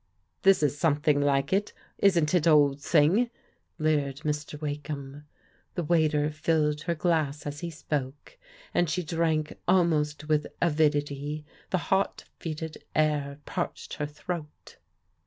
"This is something like, isn't it, old thing?" leered Mr. Wakeham. The waiter filled her glass as he spoke, and she drank almost with avidity — ^the hot foetid air parched her throat.